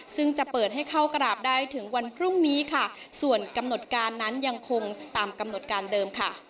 ซึ่งจะเปิดให้เข้ากราบได้ถึงวันพรุ่งนี้ค่ะส่วนกำหนดการนั้นยังคงตามกำหนดการเดิมค่ะ